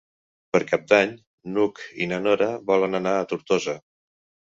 Per Cap d'Any n'Hug i na Nora volen anar a Tortosa.